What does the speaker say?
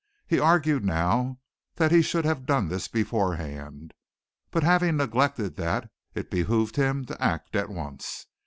He argued now that he should have done this beforehand, but having neglected that it behoved him to act at once.